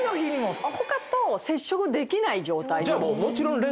他と接触できない状態。